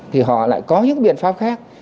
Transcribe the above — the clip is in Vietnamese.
thì họ lại có những biện pháp khác